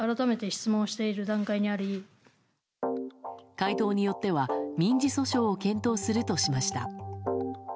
回答によっては民事訴訟を検討するとしました。